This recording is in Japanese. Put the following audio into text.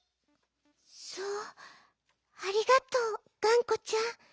そうありがとうがんこちゃん。